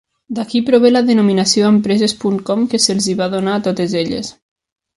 D'aquí prové la denominació empreses puntcom que se'ls hi va donar a totes elles.